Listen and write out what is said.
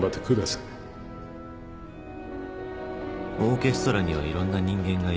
オーケストラにはいろんな人間がいる。